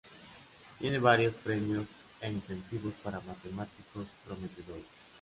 Tiene varios premios e incentivos para matemáticos prometedores.